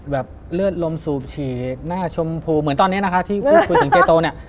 แบบเลือดลมสูบฉีกหน้าชมพูเหมือนตอนนี้นะคะที่พูดคุยถึงเจโตเนี่ย